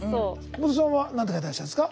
久保田さんは何て書いてらっしゃるんですか？